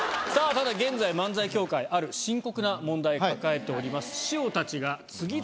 ただ現在漫才協会ある深刻な問題を抱えております。